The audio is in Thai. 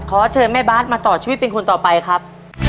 ขอเชิญแม่บาทมาต่อชีวิตเป็นคนต่อไปครับ